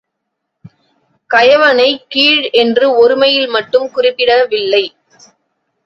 கயவனைக் கீழ் என்று ஒருமையில் மட்டும் குறிப்பிடவில்லை.